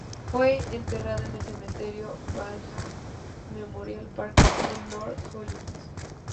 Fue enterrada en el Cementerio Valhalla Memorial Park, en North Hollywood.